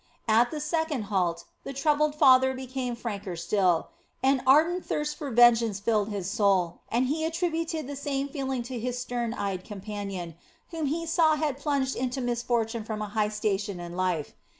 At the second halt the troubled father became franker still. An ardent thirst for vengeance filled his soul, and he attributed the same feeling to his stern eyed companion, whom he saw had plunged into misfortune from a high station in life.